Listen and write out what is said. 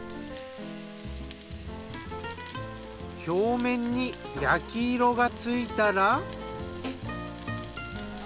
表面に焼き色がついたら。